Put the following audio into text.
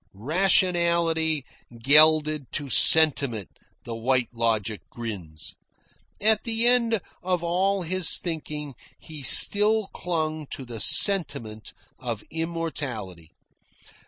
"Rationality gelded to sentiment," the White Logic grins. "At the end of all his thinking he still clung to the sentiment of immortality.